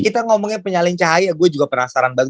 kita ngomongnya penyalin cahaya gue juga penasaran banget